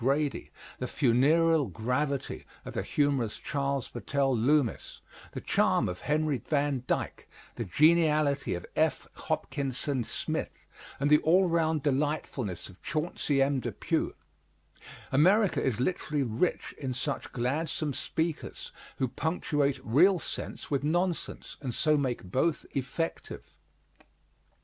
Grady, the funereal gravity of the humorous Charles Battell Loomis, the charm of Henry Van Dyke, the geniality of F. Hopkinson Smith, and the all round delightfulness of Chauncey M. Depew? America is literally rich in such gladsome speakers, who punctuate real sense with nonsense, and so make both effective.